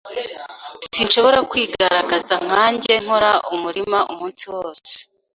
Sinshobora kwigaragaza nkanjye nkora umurima umunsi wose.